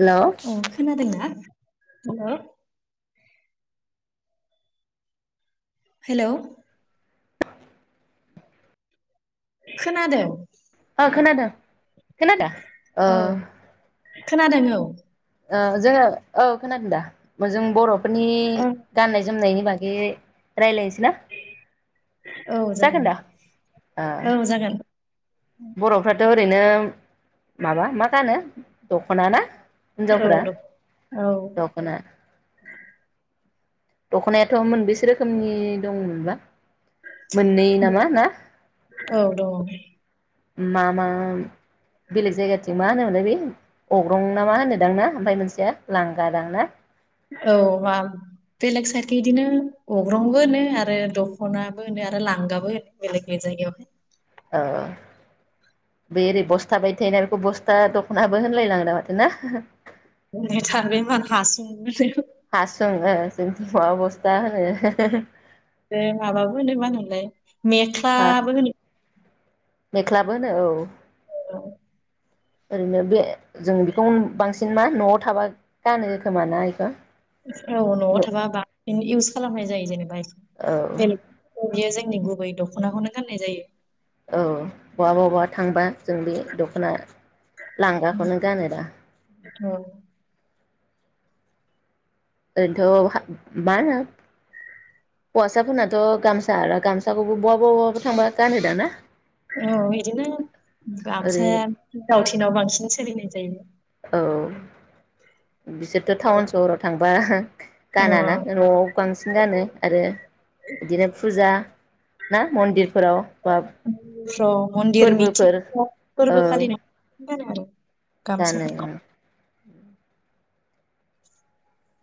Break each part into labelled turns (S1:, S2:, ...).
S1: Hello
S2: अ खोनादोंना? Hello hello
S1: [inaudible]
S2: खोनादों
S1: ओ खोनादों खोनादो ओ
S2: औ खोनादों औ
S1: ओ जोङो औ खोनादों दा जों बरफ फोरनि
S2: औ
S1: गाननाय जोमनायनि बागै रायज्लायनोसै ना
S2: औ
S1: जागोन दा
S2: दे
S1: अ
S2: औ जागोन
S1: बर'फ्राथ' ओरैनो माबा मा गानो दख'ना ना
S2: औ
S1: हिनजावफोरा
S2: दं औ
S1: दख'ना दख'नायाथ' मोनबेसे रोखोमनि दं मोनबा? मोननै नामा ना?
S2: औ दङ
S1: मा मा? बेलेग जायगाथिं मा होनोमोनदों बे अग्रं ना मा होनो दांना ओमफ्राय मोनसेया लांगाादां ना?
S2: औ मा बेलेग साइदख बिदिनो अग्रंबो होनो आरो दख'नाबो होनो आरो लांगाबो होनो बेलेग बेलेग जायगायावहाय
S1: औ बे ओरै बस्था बायदि थायोना बेखौ बस्था दख'नाबो होनलायलाङोदा माथो ना?
S2: नै थार बे मा हासं बे
S1: हासुं ओं [unintelligible]
S2: बे माबाबो होनो मा होनोमोनलाय
S1: हा
S2: मेख्लाबो होनो
S1: मेख्लाबो होनो औ
S2: औ
S1: ओरैनो बे जों बेखौ बांसिन मा न'आव थाबा गानो खोमा ना इखौ
S2: औ न'आव थाबा बांसिन इउस खालामनाय जायो जेनेबा बेलेग जे जोंनि गुबै दख'नाखौनो गाननाय जायो
S1: औ बहबा बबबा थांबा जों बे दख'ना लांगाखौनो गानो दा
S2: औ
S1: ओरैनोथ' मा होनो हौवासाफोरनाथ' गामसा आरो गामसाखौबो बहाबा बहाबा थांबा गानो दाना ना?
S2: औ बिदिनो
S1: ओरै
S2: गामसाया दावथिनाव बांसिन सोलिनाय जायो
S1: औ बिसोरथ टाउन सहराव थां बा
S2: ओ
S1: गानाना नआव बांसिन गानो आरो बिदिनो फुजा ना मन्दिरफोराव बा
S2: फ्राव मन्दिर
S1: फोर्बोफोर
S2: मिथिंफ्राव
S1: ओ
S2: फोरबो फालिनाय गानो आरो
S1: गानो
S2: गामसाफोरखौ
S1: ओम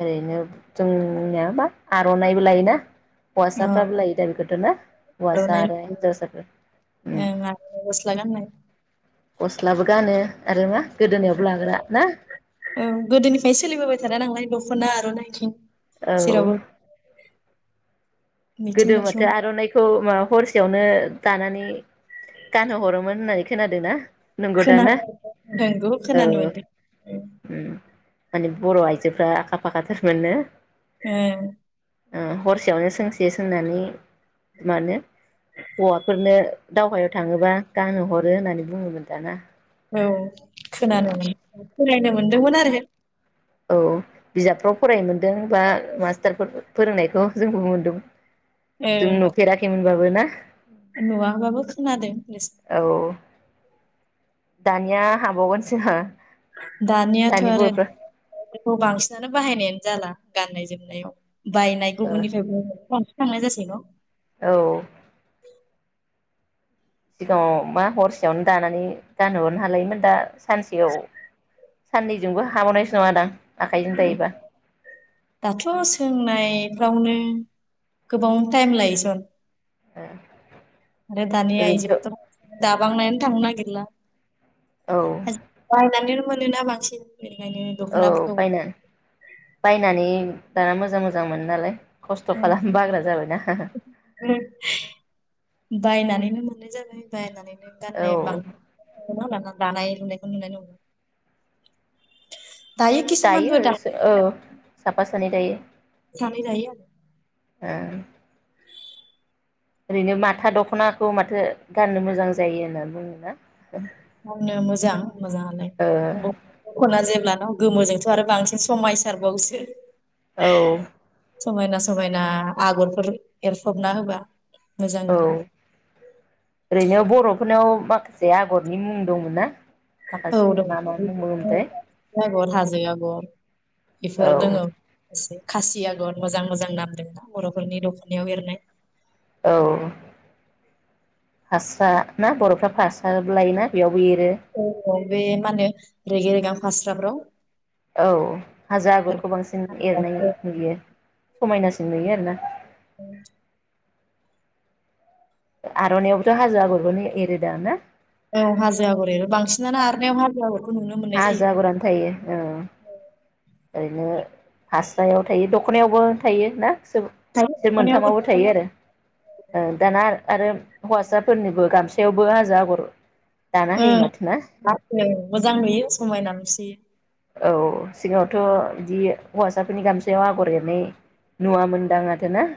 S1: ओरैनो जोंनियाबा आरनाइबो लायोना
S2: ओ
S1: हौवासाफ्राबो लायो दा बेखौथ ना हौवासा
S2: आर'नाइ
S1: आरो हिन्जावसाफोर
S2: ओं आरो गस्ला गाननाय
S1: गस्लाबो गानो आरो मा गोदोनायावबो लाग्रा ना
S2: औ गोदोनिफ्राय सोलिबोबाय थानाय नांलाय खना आरनाइ
S1: औ औ
S2: मिथिं
S1: गोदो
S2: दावथिं
S1: माथो आरनाइखौ मा हरसे सेयावनो दानानै गानहो हरोमोन होननानै खोनादों ना नंगौ दा ना
S2: खोनादों नोंगौ खोनानो
S1: औ
S2: मोनदों
S1: उम माने बर' आइजोफ्रा आखा फाखाथारमोन नो
S2: ओम
S1: ओ‌ हरसेयावनो सोंस से सोंनानै मा होनो हौवाफोरनो दावहायाव थाङोबा गानहो हरो होननानै बुङोमोन दाना?
S2: औ खोनानो मोनो फरायनो मोनदोंमोन आरो
S1: औ बिजाबफ्राव फरायनो मोन्दों बा मास्टारफोर फोरोंनायखौ जोंबो मोनदों जों नुफेराखैमोनबाबो बो ना
S2: नुआबाबो खोनादों
S1: औ दानिया हाबावगोनसो हो?
S2: दानियाथ आरो खौ बांसिनानो बाहायनायानो जाला गाननाय जोमनायाव बायनाय
S1: ओ
S2: गुबुननिफ्रायबो खांनाय जासै न
S1: औ सिगाङाव मा हरसेयावनो दानानै गानहोहरनो हालायोमोन दा सानसेयाव साननैजोंबो हाबावनायसो नङा दां?
S2: दाथ' सोंनाय फ्रावनो गोबाव टाइम लायोसन
S1: ओ
S2: आरोे दानिया
S1: ओरैनोथ'
S2: आइजोखौथ' दाबांनायानो थांनो नागिरला।
S1: औ
S2: आजि बायनानैनो मोनो मोनोना बांसिन। बेनिखायनो
S1: औ
S2: दख'नाफोरखौ
S1: बायनान बायनानै दाना मोजां मोजां मोनो नालाय। खस्थ' खालाम बाग्रा जाबायना।
S2: बायनानैनो मोननाय जाबाय बायनानैबो।
S1: औ
S2: गाननाय बां हमना लाना दानाय लुनायखौ नुनानै नं [unintelligible]
S1: दायो सो औ साफा सानै दायो।
S2: सानै जायो
S1: ए ओरैनो माथा दख'नाखौ माथो गाननो मोजां जायो होननानै बुङोना?
S2: गाननो मोजां मोजाङालाय
S1: ओ
S2: [unintelligible] द'खना जों अब्लाथ' गोमोजोंथ' आरो बांसिन समायसारबावोसो।
S1: औ
S2: समायना समायना आगरफोर एरफबना होबा मोजां
S1: औ
S2: नुयो।
S1: ओरैनो बर'फोरनाव माखासे आगरनि मुं दंमोन ना?
S2: औ
S1: माखासे
S2: दं
S1: मा मा मुं
S2: बिदिनो
S1: मोनथाय
S2: [unintelligible] आगर हाजो आगर
S1: औ
S2: बेफोर दोङो एसे। खासि आगर मोजां मोजां नामदोंना बर'फोरनि दख'नायाव एरनाय।
S1: औ फास्रा ना बर'फ्रा फास्राबो लायोना बेयाव
S2: औ औ बे मानो रेगे रेगां फास्राफ्राव
S1: औ हाजो आगरखौ बांसिन एरनाय नुयो। समायनासिन नुयो आरो ना।
S2: [inaudible]
S1: आर'नाइ आवबोथ' हाजो आगरखौनो एरोदा ना?
S2: औ हाजो आगर एरो बांसिनानो आरनायाव हाजोआगरखौ
S1: हाजो आगरानो थायो औ। ओरैनो फास्रायाव थायो दख'नायावबो थायो ना?
S2: दायो
S1: [unintelligible] मोनथामावबो
S2: दख'नायावबो
S1: थायो आरो ओ दाना आर आरो हौवासाफोरनिबो गामसायावबो हाजो आगर दाना होयो
S2: ओम
S1: माथो ना
S2: [unintelligible] मोजां नुयो समायना नुसोयो।
S1: औ सिगाङावथ बिदि हौवासाफोरनि गामसायाव आगर एरनाय नुवामोनदां माथो ना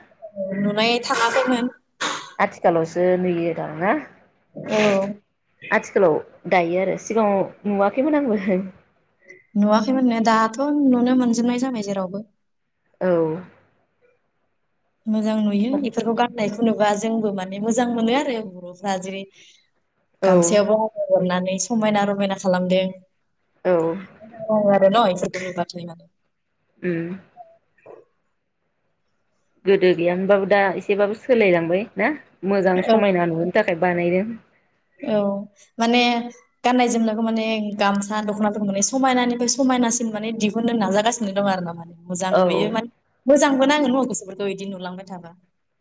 S2: नुनाय थाङाखैमोन
S1: आथिखालावसो नुयो दां ना
S2: औ
S1: आथिखालाव दायो आरो सिगाङाव नुवाखैमोन आंबो
S2: नुवाखैमोननो दाथ' नुनो मोनजोबनाय जाबाय जेरावबो
S1: औ
S2: मोजां नुयो इफोरखौ गाननाय जेनबा जोंबो माने मोजां मोनो आरो बरफ्रा जेरै
S1: औ
S2: गामसायावबो आगर एरनानै समायना रमायना खालामदों
S1: औ
S2: [unintelligible] न इफोर [unintelligible]
S1: ओम गोदो गैया मोनबाबो दा एसेबाबो सोलायलांबाय ना मोजां
S2: औ
S1: समायना नुहोनो थाखाय बानायदों।
S2: औ माने गाननाय जोमनायखौ माने गामसा दखनाफोरखौ माने समायनानिफ्राय समायनासिन माने दिहुननो नाजागासिनो दं आरो ना माने मोजां
S1: औ
S2: नुयो माने मोजां बो नाङो न' गोसोफोरखौ इदि नुलांबाय थाबा।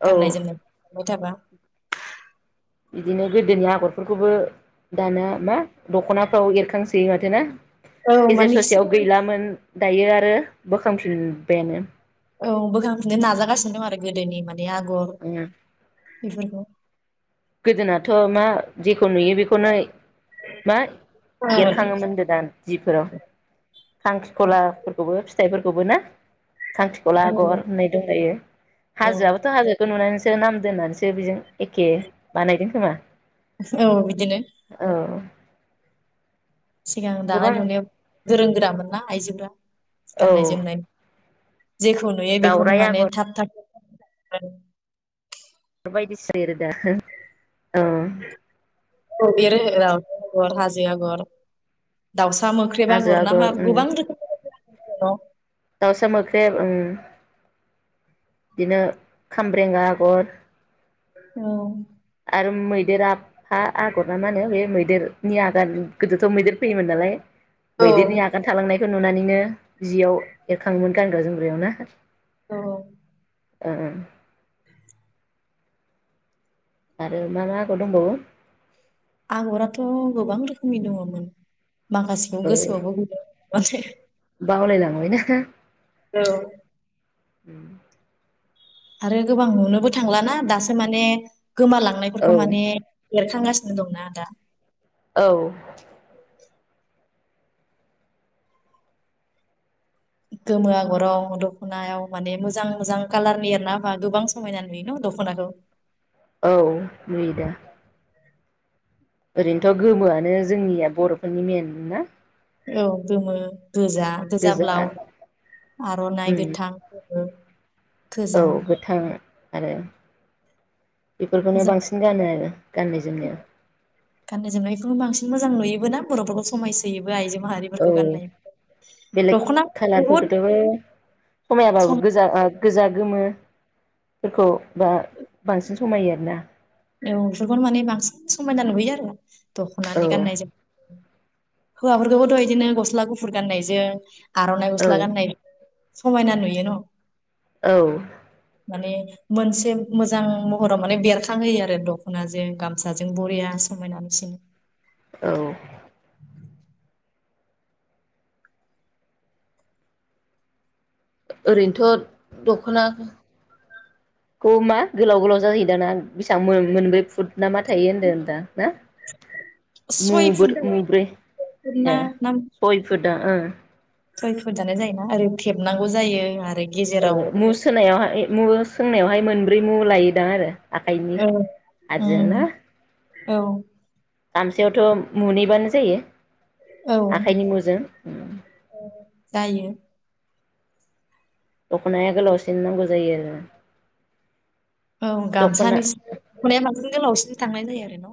S1: औ
S2: गाननाय जोमनाय [inaudible] थाबा‌। [inaudible]
S1: दिनो गोदोनि आगरफोरखौबो दाना मा दखनाफ्राव एरखांसोयो माथो ना
S2: औ
S1: गेजेर
S2: माने
S1: ससेयाव
S2: सिगां
S1: गैलामोन दायो आरो बोखांफिनबायानो
S2: औ बोखांफिननो नाजागासिनो दं आरो गोदोनि मा ने आगर
S1: उम
S2: बेफोरखौ
S1: गोदोनाथ' मा जे खौ नुयो बेखौनो मा
S2: औ
S1: एरखाङोमोन होनदो दा जिफोराव खांख्रिखलाफोरखौबो फिथाइफोरखौबो ना। खांख्रिख'ला आगर होननाय दंलायो
S2: औ
S1: हाजोआबोथ' हाजोखौ नुनानैस सो नाम दोननानसो बेजों एखे बानायदों खोमा।
S2: औ बिदिनो।
S1: औ
S2: सिगां दानाय
S1: गोबां
S2: लुनायाव गोरों गोरामोनना आइजोफोरा
S1: औ
S2: गाननाय जोमनाय जेखौ नुयो बेखौनो
S1: दावराइ
S2: माने
S1: आगर
S2: थाब थाब [unintelligible]
S1: बायदिस [unintelligible]
S2: [inaudible] [unintelligible] हाजो आगर दाउसा मोख्रेब आगर नामा गोबां रोखोम [unintelligible]
S1: दावसा मोख्रेब ओं। बिदिनो खामब्रेगा आगर
S2: औ।
S1: आरो मैदेर आ बा आगर ना मा होन बे मै देरनि आगान गोदोथ मैदेर फैयोमोन नालाय। मैदेरनि आगान थालांनायखो नुनानैनो जियाव एरखाङोमोन गानग्रा जोमग्रायाव ना।
S2: औ।
S1: ओ ओ। आरो मा मा आागर दंबावो?
S2: आगराथ' गोबां रोखोमनि दङमोन। माखासेखौ गोसोआवबो गैला माथो।
S1: बावलायलांबाय ना।
S2: औ।
S1: उम।
S2: आरो गोबां नुनोबो थांलाना दासो माने
S1: औ
S2: गोमालांनायफोरखौ माने बेरखांगासिन दंना आदा।
S1: औ।
S2: गोमो आगराव दखनायाव माने मोजां मोजां कालारनि एरना होबा गोबां समायना नुयो न दखनाखौ।
S1: औ नुयोदा। ओरैनोथ' गोमोआनो जोंनिया बर'फोरनि मेन ना।
S2: औ गोमो गोजा गोजा ब्लााव आर'नाइ
S1: उम
S2: गोथां।
S1: औ
S2: गोजा
S1: गोथां आरो बेफोरखौनो
S2: मोजां
S1: बांसिन गानो आरो गाननाय जोमनायाव
S2: गाननाय जोमनायखौनो बांसिन मोजां नुयोबोना बर'फोरखौ समायसोयोब
S1: औ बेलेक
S2: दख'ना बुहुद
S1: खालारफोरखौथ' समायाबाबो
S2: सम
S1: गोजा ओ गोजा गोमोफोरखौ बा बांसिन समायो आरोना
S2: औ बेफोरखौनो माने बांसिन समायना नुबोयो आरो
S1: औ
S2: दख'नानि गाननाय जोम हौवाफोरखौबोथ' इदिनो गस्ला गुफुर गाननायजों आर'नाइ
S1: औ
S2: गस्ला गाननाय जों समायना नुयो न'
S1: औ
S2: माने मोनसे मोजां महराव माने बेरखा खांहोयो आरो दख'नाजों गामसाजों बरिया समायना नुसिनो।
S1: औ ओरैनोथ' दख'नाखौ मा गोलाव गोलाव जाहै दाना बेसेबां मोन मोनब्रै फुट ना मा थायो होनदो नोंथां ना
S2: सय फुट
S1: मुबोर मुब्रै
S2: ना
S1: ए
S2: ना
S1: सय फुटआ ओ
S2: सय फुथानो जायोना ओरै थेबनांगौ जायो आरोै
S1: ओ मुसहोनायावहाय मु सोंनायावहाय मोनब्रै मु लायोदां आरो आखाइनि
S2: औ
S1: हारजों
S2: उम
S1: ना
S2: औ
S1: गामसायावथ' मुनैबानो जायो
S2: औ
S1: आखाइनि मुजों
S2: जायो
S1: दख'नाया गोलावसिन नांगौ जायो आरो‌
S2: औ गामसानि [unintelligible] दखनाया बांसिन गोलावसिन थांनाय जायो आर हेल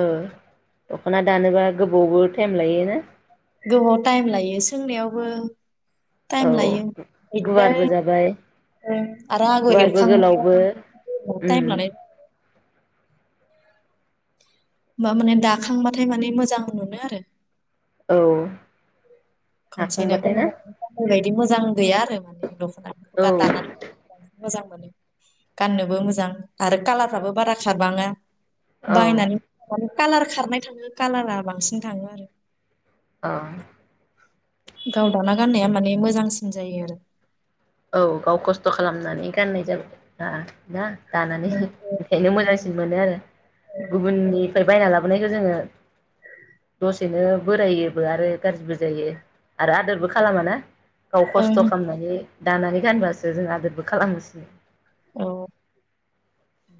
S1: ओ दख'ना दानोबा गोबावबो टाइम लायोना‌
S2: गोबाव टाइम लायो सोंनायावबो
S1: औ
S2: टाइम लायो बिदिनो
S1: गुवारबो जाबाय
S2: ओ आरो आगर
S1: गुवारबो
S2: एरखां
S1: गोलावबो
S2: [inaudible]
S1: उम
S2: टाइम लानाय मा माने दाखांबाथाय माने मोजां मोनो आरो
S1: औ
S2: खनसेनो
S1: हाखांबाथाय ना
S2: [unintelligible] मोजां गैया आरो माने दख'ना
S1: औ
S2: दा दानानै मोजां मोनो गाननोबो मोजां आरो खालारफ्राबो बारा खारबाङा
S1: औ
S2: बायनानै [unintelligible] कालार खारनाय थाङो कालारा बांसिन थाङो आरो।
S1: अ।
S2: गाव दाना गाननाया माने मोजांसिन जायो आरो।
S1: औ गाव खस्थ' खालामनानै गाननाय जाबाय हा ना दानानै इंखायनो मोजां। मोनो आरो गुबुननिफ्राय बायना लाबोनायखौ जोङो दसेनो बोरायोबो आरो गाज्रिबो जायो आरो आदोरबो खालामा ना। गाव खस्थ'
S2: ओं
S1: खालामनानै। दानानै गानबासो जों आदोरबो खालामनोसिनो।
S2: औ।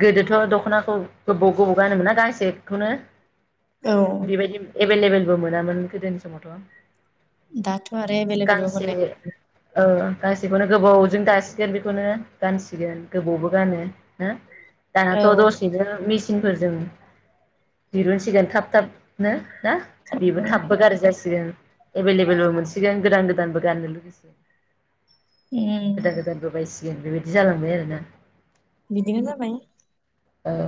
S1: गोदोथ' दख'नाखौ गोबाव गोबाव गानोमोनना गांसेखौनो?
S2: औ
S1: बेबायदि एभेललेबेल। बो मोनामोन गोदोनि समावथ'।
S2: दाथ'आरो एभेललेबोल
S1: गांसे
S2: मोननाय
S1: ओ गांसेखौनो गोबावजों दासिगोन बेखौनो गानसिगोन गोबावबो गानो हो।
S2: औ
S1: दानाथ दसिनि मि फोरजों दिरुनसिगोन थाब थाबनो। ना बेबो
S2: उम
S1: थाबबो गाज्रि जासिगोन। एभेलेबेलबो मोनसिगोन गोदान गोदानबो गाननो लगैसिगोन। गोदान गोदानबो बायसि जों बेबायदि जालांबाय आरोना?
S2: बिदिनो जाबाय।
S1: औ।